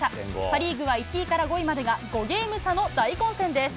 パ・リーグは１位から５位までが５ゲーム差の大混戦です。